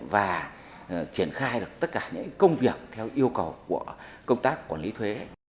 và triển khai được tất cả những công việc theo yêu cầu của công tác quản lý thuế